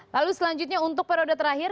lalu selanjutnya untuk periode terakhir